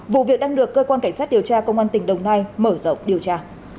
vụ việc đang được cơ quan cảnh sát điều tra công an tỉnh đồng nai mở rộng điều tra